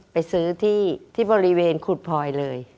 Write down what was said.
ไปซื้อที่บริเวณขุดพลอยเลย